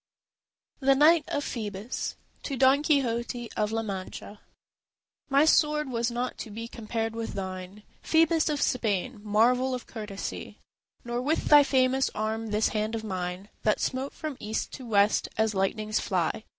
THE KNIGHT OF PHŒBUS To Don Quixote of La Mancha My sword was not to be compared with thine Phœbus of Spain, marvel of courtesy, Nor with thy famous arm this hand of mine That smote from east to west as lightnings fly.